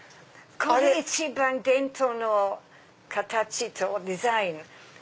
これ一番伝統の形とデザイン。